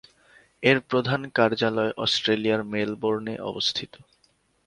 এর প্রধান কার্যালয় অস্ট্রেলিয়ার মেলবোর্নে অবস্থিত।